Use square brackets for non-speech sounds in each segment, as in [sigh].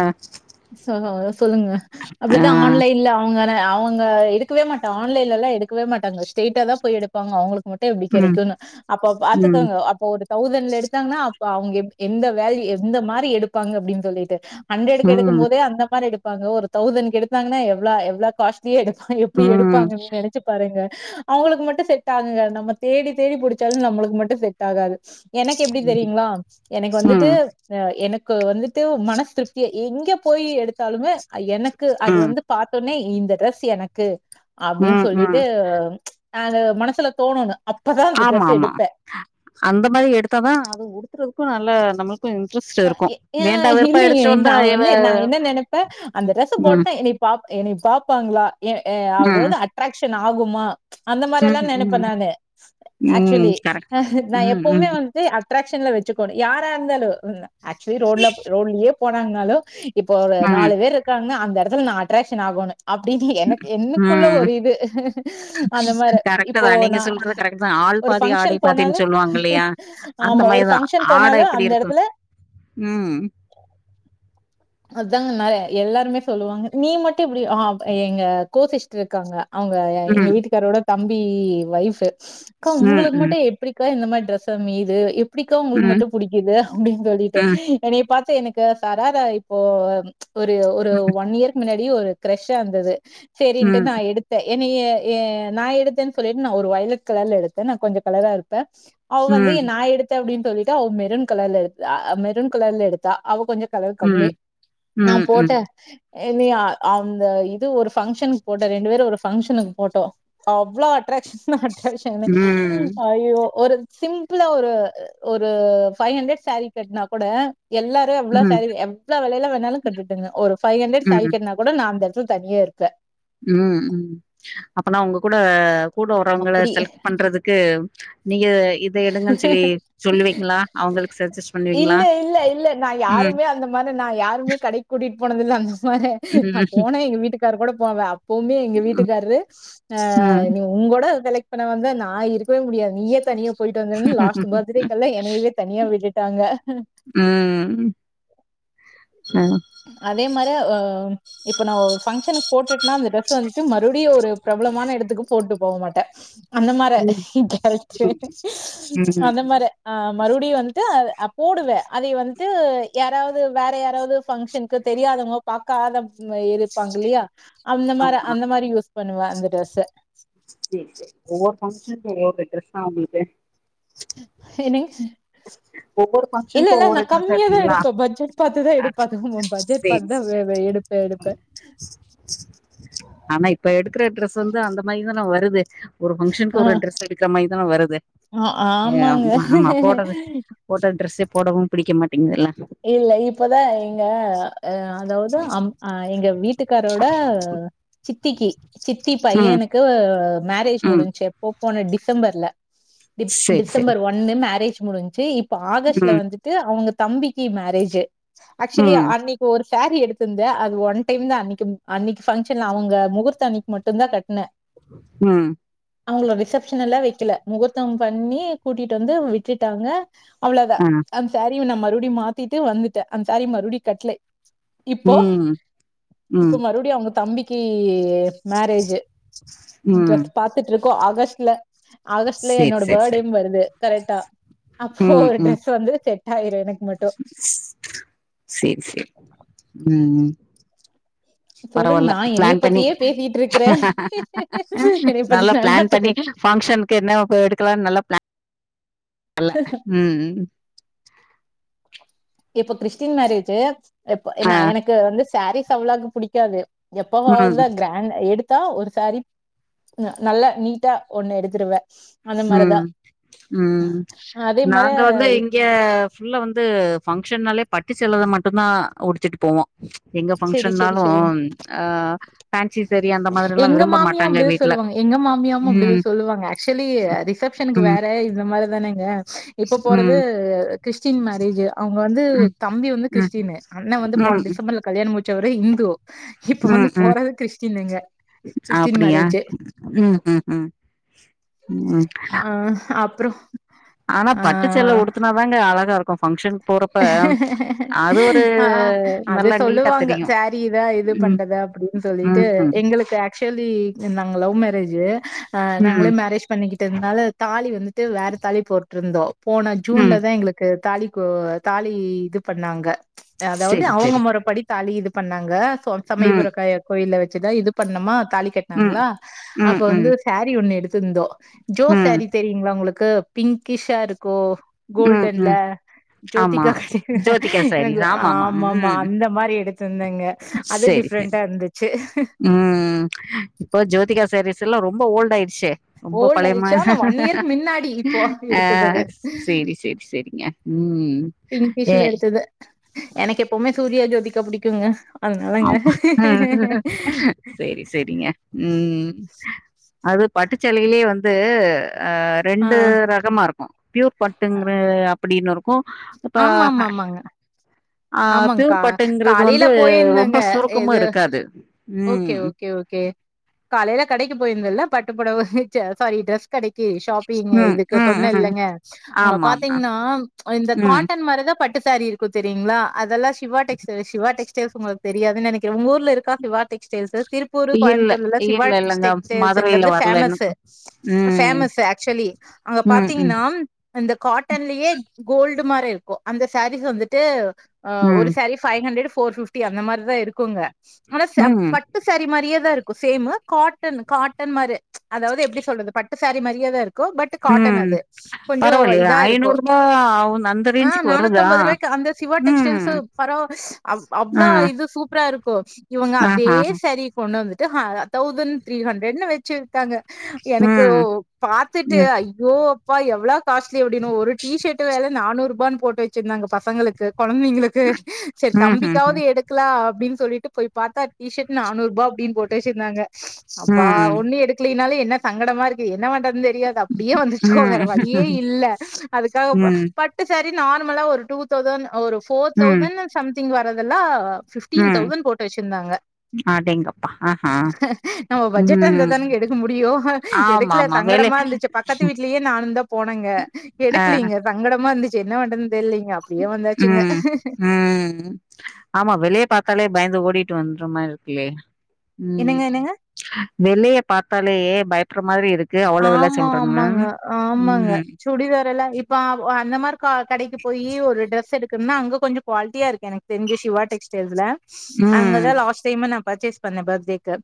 ஆ சொல்லுங்க சொல்லுங்க ஆ அப்டிதா ஆன்லைன்ல அவுங்க த அவுங் அங்க எடுக்கவே மாட்டா ஆன்லைன்லா எல் இருக்கவே மாட்டாங்க ஸ்டெயிட்ட தா போய் எடுப்பாங்க அவுங்களுக் மட்டு எப்டி ம் கிடைக்குனு அப்ப ம் பாத்துக்கங்க அப்ப ஒரு தௌசண்ட்ல எடுத்தாங்கன்னா அப்ப அவுங்க எப் எந்த வேல்யூ வேலை எந்த மாரி எடுப்பாங்க அப்டின் சொல்லிட்டு ஹண்ட்ரட்க் எடுக்கும் ம் போதே அந்த மாரி எடு எடுப்பங்க ஒரு தௌசண்ட் எடுத்தாங்கா எவ்ள எவ்ளோ காஸ்ட் எடுப்பா எப்டி ம் எடுப்பாங்கன்னு நெனைச்சு பாருங்க அவுங்களுக்கு மட்டு செட் ஆகுங்க நம்ம தேடி தேடி புடிச்சாலு நம்மளுக்கு மட்டு செட் ஆகாது எனக்கு எப்டி ம் தெரியுங்களா எனக்கு வந்துட்டு ம் இந்த எனக் இப்ப வந்துட்டு மனஸ் திருப்தி எங்க போய் எடுத்தாலுமே எனக்கு அது வந்து பாத்தவுன்னே இந்த ட்ரெஸ் எனக் க்கு அப்பிடின் ம் ம் சொல்லிட்டு அது மனசுல தோணுக ஆமா ஆமா அந்த மாரி எடுத்த தா அது உடுத்துறதுக்கு நல்ல நம்ம கு அ எ ஆ இல்லையே எடுத்துட்டு நா வந்தா இவ வந்து நா என்ன நெனப்பே அந்த ட்ரெஸ் ம் போட்டே என்னை பா என்னை பாப்பாங்களா எ எ அது ம் வந்து அட்ராக்ஷன் ட்டனு ஆகுமா அந்த மாரில்லா ம் நெனைப்பே ம் நானு ம் ஆக்சுலி கரெக்ட் நா ம் எப்பவுமே ம் வந்து அக் அட்ராக்ஷன்ல வச்சுக்கணு யாரா இருந்தாலு அகச்சுலி ரோடல ரோலியே ப் போனாங்னாளோ ப் இப்போ ஒரு ம் நாலு பேர் இருக்காங்க அங் இந்த எடத்துல நா அட்ராக்க்ஷன் ஆகோணு அப்பிடின்னு எனக்கு என்க்குள்ள ம் ஒரு இது அந்த மார கரெக்ட் இப்போ தா நீங்க நா சொல்றது கரெக்ட் தா ஆள் ஒரு பாதி ஆடை பங்க்ஷன் போனாலு பாதின்னு சொல்லுவாங்க இல்லையா அந்த ஆமா ஒரு மாரிதா பங்க்ஷன் ஆட போனாலு எப்டி அந்த இருக்கு இடத்துல ம் அதுதாங்க நெரே எல்லாருமே சொல்லுவாங்க நீ மட்டு இப்பிடி ஆ எங்க கோசிஸ்டர் இருக்காங்க அவங்க எ எங்க ம் வீட்டுக்காரோட ப் தம்பி வைஃப் து க் கா ம் உங்களுக்கு ம் மட்டு எப்பிடிக்கா இந்த மாரி டி ட்டிரசாமி இது ப் ப்பிடிக்கா உங்களுக்கு ம் மட்டு புடிக்குது அப்பிடின் சொல்லிட்டு ம் என்னைய பாத்து எனக் ய சாராரா ப் ப்போ அந் ஒரு ஒரு ஒன் இயர்க்கு முன்னாடி இப்பிடி ஒரு கிரெஷ்சா இருந்தது சேரின்ட்டு ம் நா எடுத்தே என்னைய எ நா எடுத்தே சொல்லிட்டு நா ஒரு ஒயலட் கலர்ல எடுத்தே நா கொஞ்சோ கலரா இருப்பே அவ வந்து ம் நா எடுத்த அப்பிடின் சொல்லிட்டு அவன் மெருன் கலர்ல எ ஆ மெருன் கலர்ல எடுத்தா அவ கொஞ்சோ கலர் ம் கம்மி நா ம், ம். போட்டே [unintelligible] அந்த இது ஒரு பங்க்ஷனுக்கு போட்டோ ரெண்டு பேரும் ஒரு பங்க்ஷனுக்கு போட்டோ அவ்வளோ அட்ராகஷனா அட்ராக்ஷனு ம், ஐயோ ஒரு சிம்பிளா ஒரு ஒரு பைவ் ஹண்ரட் சாரீ கட்னா கூட எல்லாரு எவ்வளோ ம், சாரீ எவ் எவ்ளோ விலைல வேணாலு கட்டுங்க ஒரு பைவ் ஹண்ரட் சாரீ ம், கட்னா கூட நா அந்த து தனியா இருக்கு ம் ம் அப்பனா உங்க கூட கூட வரவங்களை அப்படி செலக்ட் பண்றதுக்கு நீங்க இத எடுங்கன்னு சொல்லி சொல்லுவீங்களா? அவங்களுக்கு சஜஸ்ட் பண்ணுவீங்களா? இல்ல இல்ல இல்ல நா ம், யாருமே அந்த மாரி நா யாருமே கடை கூடிட் போனதில்ல ம் போறே நா ம், ம், போனே எங்க வீட்டுக்கரு கூட போவே அப்பவுமே எங்க ம், வீட்டுக்கார்ரு ஆ ம். நீ உங்கோட இப்ப நா வந்து நா இருக்கவே முடியாது நீயே தனியே போயிட்டு வந்தன்னு லாஸ்ட் பர்த்டேக்கெல்லா என்னையவே தனியா விட்டுடாங்க ஆ மரே ஆ இப்ப நா ஒரு பங்க்ஷன் போடுட் நா அந்த ட்ரஸ் வந்துட்டு மறுபடியோ ஒரு பிரபலமான இடத் எதுக்கோ போட்டு போக மாட்டே அந்த மாரி ம். கரெக்டு அந்த மாரி அ மறுபடியு வன்டு அத போடுவே அதைய வன்டு யாராவது வேற யாராவ [unintelligible] பங்க்ஷனுக்கு தெரியாதவங்க பாக்காத இருப்பாங்க இல்லையா அந்த மாரி ஆமா. அந்த மாரி யுஸ் பண்ணுவே அந்த டிரெஸ்ச சேர் சேரி ஒவ்வொரு பங்ஷன்கோ ஒவ்வொரு டிரஸ்தா உங்களுக் [unintelligible] என்னங்க ஒவ்வொரு இல்ல ஃபங்ஷனுக்கும் இல்ல நா ஒவ்வொரு ட்ரெஸ்ஸா கம்மியாதா எடுப்பீங்களா? எடுப்பே பட்ஜெட் பத்துதா ஆ எடுப்பே அதுவு பட்ஜெட் சரி, பத்துதா சரி. வ வ எடுப்பே எடுப்பே இதெல்லா வருது ஒரு பங்க்ஷனுக்கு ஒரு ட்ரெஸ் எடுக்கிற மாரிதா வருது ஆ ஏ ஆமா ஆமா போட்டது ஆமாங்க. போட்ட ட்ரெஸு போடவு பிடிக்கமாட் இல்ல இப்பதா எங்க ஆ அதாவது அம் ஆ எங்க வீட்டுக்காரோட சித்திக்கு சித்தி ம் பையனுக்கு ஆ மேரேஜ் ம் முடின்ச்சி எப்ப போன டி சம்பர்ல டி செரி செரி டிசம்பர் ஒன்னு மேரேஜ் முடின்ச்சி இப் இப்ப ஆகஸ்ட்டுல ம் வந்துட்டு அவுங்க தம்பி கி மேரேஜி ஆக்ச்சுவலி ம் அன்னைக்கு ஒரு சேரி எடுத்திருந்தே அது ஒன் டைம் தா அன்னைக்கு அன்னைக்கு பங்க்ஷன்ல அவங்க முகூர்த்த அன்னைக்கு மட்டு தா கட்ன ம் அவுங்கள ரிஷப் ஷன்லா வைக்கல முகூர்த்தம் பண்ணி கூட்டிட்டு வந்து விட்டுட்டாங்க அவ்ளோதா ஆ அந்த சே ரி நா மறுபடியு மாத் திட்டு வந்துட்ட அந்த சேரி மறுபடியு கட்லை இப்போ ம் இப்போ ம் மறுபடியு அவுங்க தம்பிக் கி மேரேஜி ம் டிரஸ் பாத்துட்டு இருக்கோ ஆகஸ்ட் ல ஆகஸ்ட்ல செரி என்னோட செரி செரி பர்டேவும் வருது கரெட்டா அப்போ ம் ஒரு ம் ட்ரஸ் வந்து செ டைரே எனக் மட்டும் செரி செரி ம் ம் சொல்லுங்க பரவாயில்ல நான் என்னைய பிளான் பண்ணி பத்தியே பேசிட்டு இருக்கிறேன் என்னைய பத்தி நல்லா பிளான் பண்ணி தெரியும் பங்க்ஷனுக்கு என்ன போ எடுக்கலானு நல்லா பிளான் அல்ல ம் ம் இப்ப கிறிஸ்டின் மேரேஜி இப்ப என்ன ஆ எனக்கு வந்து சேரீஸ் அவ்ளாக்கு புடிக்காது ம் எப்பாவாவுத கிராண்டா எடு தா ஒரு சேரீ ந நல்லா நீட்டா ஒண்ணு எடுத்துருவே ம் ம் அதே நாங்க வந்து மாதிரி இங்க ஃபுல்லா வந்து ஃபங்க்ஷன்னாலே பட்டு சேல மட்டுதா உடித்திட்டு போவோ எங்க சரி சரி பங்க்ஷன்னாலு சரி ஆ ஃபேன்சி சேரி அந்த மாதிரிலா எங்க விரும்ப மாமியா மாட்டாங்க அப்படிதான் வீட்ல சொல்லுவாங்க. ம் கி ரிஷப்ஷனுக்கு ம், வேற இந்த மாரிதானே ஏ இப்ப போறது ம், கிறிஸ்டின் மேரேஜி அவுங் வந்து ம், தம்பி வந்து ம், கிறிஸ்டீன்னு அண்ணன் வந்து போன ம், டிசம்பர்ல முச்சவரே இந்து இப்ப ம் வந்து ம் போறது கிறிஸ்டினுங்க. கிறிஸ்டின் அப்பிடியா மேரேஜ். ம் ம் ம் ம் அப்பரோ ஆனா பட்டுசேல உடுத்தனா தாங்க அழகா இருக் இப்ப ஃப்ங்ஷன் ஆ ஆ அது நல்லா நீட்டா சொல்லுவாங்க தெரியும். சேரியிதா இது ம், பண்றதா அப்டின்னு சொல்லிட்டு ம், ம், எங்களுக்கு ஆக்சுவலி நாங்க லவ் மேரேஜி ஆ நாங்களே ம், மேரேஜி பண்ணிக்கி ட்டனால தாலி வந்துட்டு வேற தாலி போட்டுருந்தோம் போன ஜூன்ல ம். தான் எங்களுக்கு தாலி கோ தாலி இது பண்ணாங்க அதாவது சரி, அவங்க சரி. மொறப்படி தாலி இது பண்ணாங்க சொ ம், சமயபுரக் க கோயில்ல வச் சிதா தா இது பண்ணமா தாலி ம், கட்டனாங்களா அப்ப ம், வந்து ம், சேரி ஒண்ணு எடுத் துந்தோ ஜோ ம். சேரி தெரியுங்களா உங்களுக் க பிங்கிஷ்ஷா இருக்கோ ம் கோல்டன்ல ம் ஆமா ஜோதிகா கட்டிருந்த ஜோதிகா எனக்கு ஆமா ஆமா அந்த மாரி எடுத்து சேரி சேரி ம் இப்போ ஜோதிகா சாரீ எல்லாம் ரொம்ப ஓல்டு ஆயடுச்சே ரொம்ப ஓல்ட் ஆயிடுச்சு பழையமாரி ஆனா ஒன் இயர்க்கு மின்னாடி இப்போ ஆ எடுத்தது அது சேரி சேரி சேரிங்க ம் ஏ பிங்கிஷ்ல எடுத்தது எனக்கு எப்பவுமே சூர்யா ஜோதி கா புடிக்குங்க அதனாலங்க ஆமா ஆ சேரி சேரிங்க உம் அது பட்டுச்சேலையிலயே வந்து ஆ ஆ ரெண்டு ரகமா இருக்கு பியூர் பட்டுங்குற அப்படின்னு இருக் கு இப்ப ஆமாமாமாங்க ஆ பியூர் ஆமாங்க்கா பாட்டுங்கிறது காலையில வந்து ரொம்ப போயிருந்தேங்க சுருக்கமு இது இருக்காது ம் காலயில கடைக்கு போயிருந்தல்ல பட்டு புடவ ச சாரி டிர கடைக்கு ஷாப்பிங ம், இதுக்கு ம், சொன்ன ம். இல்லங்க அங்க ஆமாமா. பாத்தீங்கின்னா இந்த ம். காட்டன் மாரிதா பட் பட்டு சேரி இருக்கு தெரியுங்களா அதெல்லா சிவா டெக்ஸ்டைல் சிவா டெக்ஸ் [unintelligible] உங்களுக்கு தெரியான்னு நினைக்கிறே உங்க ஊர் ஊர்ல இருக்க சிவா டெக்ஸ்டைல்ஸு திருப்பூரு இல்ல, கோயம்புத்தூர்ல சிவா இல்ல, இல்லங்க. டெக்ஸ்டைல் மதுரையில என்கிறது வரல இன்னும். ஃபேமஸு ம், ஃபேமஸு அக்சுவலி அங்க ம், ம், பார்த்தீங்கன்னா அந்த காட்டன்லயே கோல் இது மாரி இருக்கு அந்த சாரீஸ் வந்துட்டு ஆ ஒரு ம், சாரி ஃபைவ்ஹண்ட்ரடு போர் பிப்டி அந்த மாரிதா இருக்குங்க ஆனா ச ம், பட்டு சேரி மாரியே தா இருக் சேம்மு காட்டன் காட்டன் மாரு அதாவது எப்பிடி சொல்றது பட்டு சாரி மாரிய தா இருக் ம் பரவால்லய இதா இருக்கு ஐநூறு ரூபா அவக அந்த ஆ ரேஞ்சக்கு வருதா நானூத்தம்பது ரூவாய்க்கு அந்த சிவா டெக்ஸ்டைல்ஸு ம். பரவா அர் ஆ, அவ்ளோ இது சூப்பரா இருக் [unintelligible] இவுங்க அதே ஆஹா. சேரிய கொண்டு வந்து டு அ தௌசன்த்திஹண்ட்ரடு வெச்சு ட்டாங்க எனக்கு ம், பாத்துட்டு ம், ஐயோ போய் எவ்ளா காஸ்ட்லி அப்டின்னு ஒரு டி ஷட்டு வெல நானூறுபான் போட்டு வச்சிருந்தாங்க பசங்களுக்கு கொழந்தைங்களுக்கு செர் ம்ஹ்ம், தம்பிக்காவுது எடுக்கலா அப்டின் சொல்லிட்டு போய் பாத்தா டி ஷர்ட் நானூறுபா அப்டின் போட்டு வச்சிருந்தாங்க அப்பா ம், ஒன்னு எடுக்லைனாலே என்ன சங்கடமா இருக்கு என்ன பன்றது தெ ரியாது அப்டியே வந்துட்டோ வேற ம், வழியே இல்ல அதுக்காக ம், பட்டு சே ரி நார்மலா ஒரு டூ தௌசண்ட் ஒரு ஃபோர் ம், தௌசணு‌ சம்திங் வ ரதல்லா ஃபிஃப்டின் ம். தௌசண்ட் போட்டு வச்சிருந்தாங்க அடேங்கப்பா! ஆஹா. நம்ம பட்ஜெட் இருந்தா ம். தானங்க எடுக்க முடியு எடுக்கல ஆமாமா. விலை சங்கடமா இருந்துச்சு பக்கத்து வீட்லியே நானுந்தா போனெங்க ஆ, எடுக்லீங்க சங்கடமா இருந்து ச்சு என்ன பண்றதுன் தெர்லீங் க அப்டியே வ ம் ம் ஆமா வெலய பாத்தாலே பயந்து ஓ டிட்டு வந்துற மாரி இருக்குலே ம் என்னங்க என்னங்க வெலய பாத்தாலே பயப்பட்ற மாரி இரு ஆமா ஆமாங்க ஆமாங்க ம் சுடிதாரல்லா இப்ப அவ் அந்த மா க கடக்கி போயி ஒரு ட்ரெஸ் எடு இக்ன அங்க கொஞ்ச க்குன்னா அங்க கொஞ்ச க்வாலிட்டியா இருக்கு எனக் தெருஞ்சு சிவா டெக்ஸ்டைல்ஸ்ல ம் அங்கதா லாஸ்ட் டைமா நா பர்சேஸ் பண்ணே பர்த்டேக் கு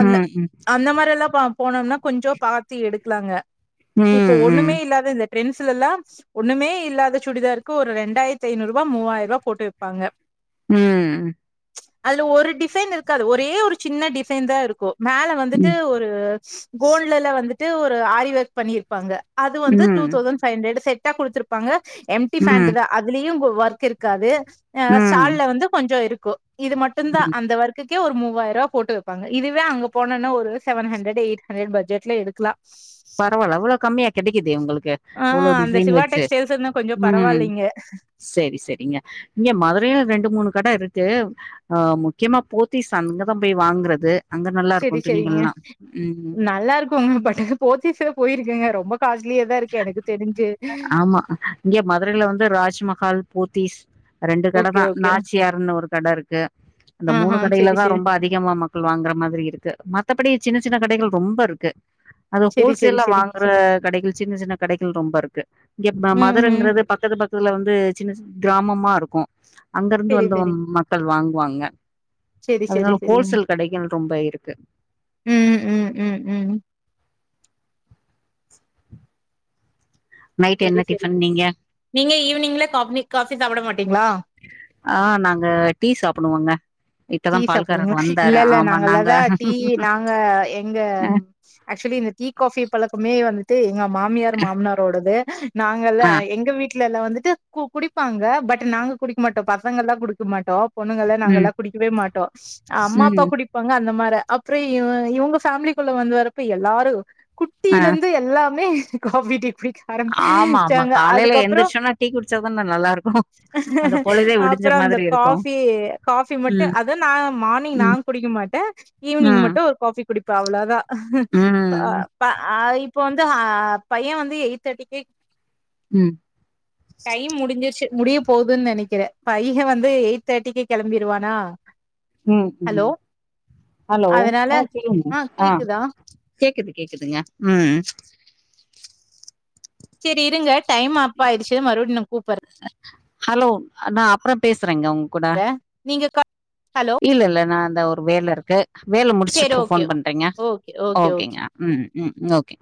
அந்த ம் அந்த மாரில்லா பா போனோம்னா கொஞ்ச பாத் எடுக்கலாங்க ம் இப்போ ம் ஒண்ணுமே இல்லாத இந்த பிரெண்ஸ்லல்லா ஒண்ணுமே இல்லாத சுடிதாருக்கு ஒரு ரெண்டாயிரத்தி ஐநூறுபா மூவாயிரூபா போட்டு விப்பாங்க ம் அதுல ஒரு டிஃசைன் இருக்காது ஒரே ஒரு சின்ன டிஃசைன் தா இருக்கு மேல வந்துட்டு ம் ஒரு கோல்டுல வந்துட் ட்டு ஒரு ஆரிவொர்க் பண்ணியிர்பாங்க அது வந்து டு ம் தௌசன் ஃபை நூறு ஹண்டர்ரு சேத் ட்டா குடுத்துருப்பாங்க எம்டி ம் பேண்ட் தா அதுலயு கோ ஒர்க் இருக்காது ஆ ம் சால்ல வந்து கொஞ்ச இருக் கோ இது மட்டு தா ம் அந்த வர்கு கியூ ஒரு மூவாய்ர்வ போட்டுர்ப்பங்க இதுவே அங்க போனன ஒரு செவன் ஃகன்ரெட் எய்ட் ஃகன்ரெட் பட்ஜெட்டில எடு கிலா பரவல்ல இவ்ள கம்மியா கிடைக்கிது உங்களுக்கு ஆ இவ்ளோ அந்த டிசைன் சிவா வச்சி டெக்ஸ்டைல்ஸ் இருந்தா கொஞ்சோ ம் பரவாயில்லைங்க சேரி சேரிங்க இங்க மதுரை ரெண்டு மூணு கட இருக் கு ஆ முக்கியமா போத்திஸ் அங்கத பேய் வாங்றது சேரி சேரிங்க நல்லா இருக்குங்க பட்டு போத்திஸு போயிருக்குங்க ரொம்ப காஸ்ட்லியா தா இருக்கு எனக்கு தெரிஞ்சு ஆமா இங்க மதுரையில வந்து ராஜ்மஹால் போத்திஸ் ரெண்டு ஓகே கடைதா ஓகே நாச்சியார்ன்னு ஒரு கடை இருக்கு அந்த மூணு ஆஹா செரி கடையிலதா செரி ரொம்ப அதிகமா மக்கள் வாங்குற மாதிரி இருக்கு மத்தபடி சின்ன சின்ன கடைகள் ரொம்ப இருக்கு அது செரி செரி ஹோல்சேல்ல செரி வாங்குற கடைகள் சின்ன சின்ன கடைகள் ரொம்ப இருக்கு இங்க ம் ம் மதுரங்கறது பக்கத்து பக் துல வந்து சின்ன சின்ன கிராமமா இருக்கு அங்கிருந்து செரி வந்தவ செரி மக்கள் வாங் வாங்க செரி செரி செரிங் இருக்கு ம் ம் ம் ம் நைட் செரி என்ன செரி டிஃபன் நீங்க நீங்க ஈவினிங்ல கா காஃப் பி சாப்ட மாட்டீங்களா ஆ நாங்க டீ சாப்புடுவோங்க டீ சாப்டுவிங்களா இல்ல இல்ல நாங்க நாங்கல்லாதான் டீ நாங்க எங்க ஆக்சுவலி இந்த டீ காஃபி பழக்கமே வந்து தி எங்க மாமியார் மாமனாரோடது நாங்கல்லா ஆ எங்க வீட் ட்ல எல்லாம் வந்துட்டு கு குடிப்பாங்க பட் நாங்க குடிக்க மாட்டோம் பசங்கலா குடுக்க மாட்டோம் பொண்ணுங்கள ம் நாங்கலா குடிக்கவே மாட்டோம் அம்மா அப்பா ம் குடிப்பாங்க அந்த மாரி அப்புறம் இவ இவங்க ஃபேமிலிக்குள்ள வந்து வரப்ப எல்லாரும் ஆ குட்டில இருந்து எல்லாமே காஃபி டீ குடிக்க ஆமா ஆமா ஆரம்பிச்சாங்க காலையில அதுக்கப்புறம் எந்திரிச்சோனா டீ குடிச்சாதான நல்லா இருக்கு அந்த பொழுதே விடிஞ்ச அப்புறம் இந்த மாதிரி இருக்கு காஃபி காஃபி மட்டும் து ம் அத நான் மார்னிங் ம் நான் குடிக்க மாட்டேன் ஈவினிங் ம் மட்டும் ஒரு காஃபி குடிப்பேன் அவ்ளோதான் ம் ப்ப அய் இப்போ வந்து ஆ பையன் வந்து எயிட் தாட்டிக்கே ம் டைம் முடிஞ்சிருச்சி முடிய போகுதுன் நெனக்கிறேன் பையக வந்து எயிட் தாட்டிக்கே கெளம்பிருவானா ம் ஹலோ ம் ஹலோ அதனால ஆ கேக்குது ஆ கேக்குது கேக்குதுங்க ம் செரி இருங்க டைம் அப்பாயிடுச்சி மறுபடியும் நா கூப்பற ஹலோ நான் அப்பறம் பேச சறங்க ஒங்கூட நீங்க க ஹலோ இல்ல இல்ல நா இந்த ஒரு வேல இருக்கு வேல சேரி முடிச்சிட்டு ஓகே ஃபோன் பண்றங்க ஓகே ஓகே ஓகே ஓகேங்க ம் ம் ஓகே